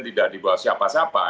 tidak dibawa siapa siapa